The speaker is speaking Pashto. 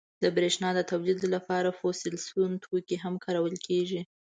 • د برېښنا د تولید لپاره فوسیل سون توکي هم کارول کېږي.